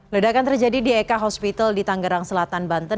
ledakan terjadi di ek hospital di tanggerang selatan banten